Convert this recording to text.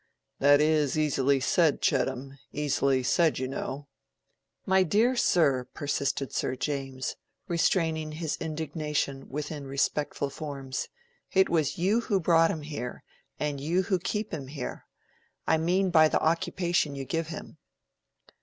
"That is easily said, Chettam, easily said, you know." "My dear sir," persisted Sir James, restraining his indignation within respectful forms, "it was you who brought him here, and you who keep him here—I mean by the occupation you give him."